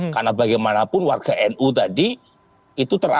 karena bagaimanapun warga nu tadi itu terasosial